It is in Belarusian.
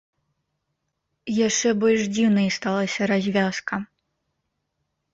Яшчэ больш дзіўнай сталася развязка.